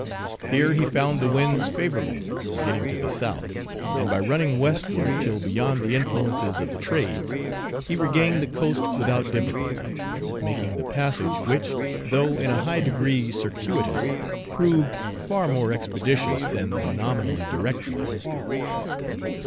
Here he found the winds favorable for getting to the South, and by running westward till beyond the influences of the trades, he regained the coast without difficulty; making the passage which, though in a high degree circuitous, proved far more expeditious than the nominally direct one.